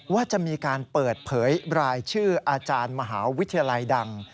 ว่าจะมีการเปิดเผยรายชื่ออาจารย์มหาวิทยาลัยดัง